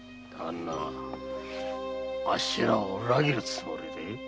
あっしらを裏切るつもりで？